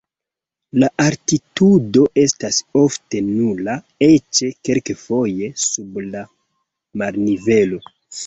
La altitudo estas ofte nula, eĉ kelkfoje sub la marnivelo.